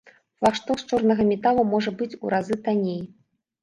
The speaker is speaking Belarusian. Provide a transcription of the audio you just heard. Флагшток з чорнага металу можа быць у разы танней!